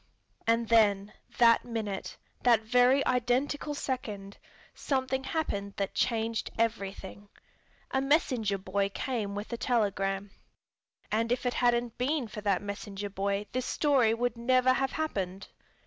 And then, that minute, that very identical second, something happened that changed everything. A messenger boy came with a telegram. And if it hadn't been for that messenger boy this story would never have happened.